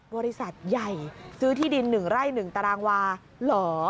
บริษัทใหญ่ซื้อที่ดิน๑ไร่๑ตารางวาเหรอ